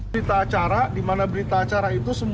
berita acara di mana berita acara itu